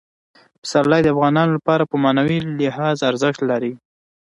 پسرلی د افغانانو لپاره په معنوي لحاظ ارزښت لري.